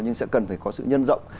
nhưng sẽ cần phải có sự nhân rộng